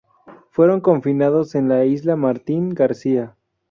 Fueron confinados en la isla Martín García.